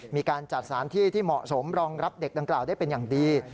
มีการจัดสถานที่ที่เหมาะสมรองรับเด็กดังกล่าวได้เป็นอย่างดี